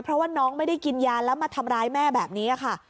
เพราะว่าน้องไม่ได้กินยาแล้วมาทำร้ายแม่แบบนี้ค่ะ